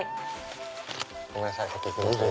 ごめんなさい先行きますね。